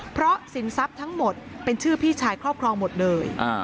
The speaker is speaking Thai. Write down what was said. เพราะสินทรัพย์ทั้งหมดเป็นชื่อพี่ชายครอบครองหมดเลย